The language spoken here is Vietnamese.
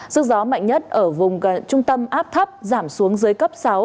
sức gió mạnh nhất ở vùng trung tâm áp thấp giảm xuống dưới cấp sáu